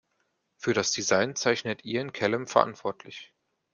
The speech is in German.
Für das Design zeichnet Ian Callum verantwortlich.